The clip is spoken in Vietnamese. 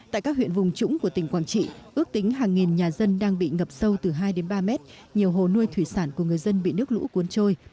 tại các huyện vùng trũng của tỉnh quảng trị ước tính hàng nghìn nhà dân đang bị ngập sâu từ hai đến ba mét nhiều hồ nuôi thủy sản của người dân bị nước lũ cuốn trôi